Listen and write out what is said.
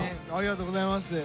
ありがとうございます。